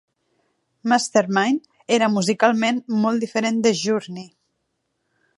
Mastermind era musicalment molt diferent de Journey.